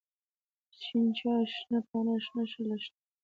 شين چای، شنه پاڼه، شنه لښته.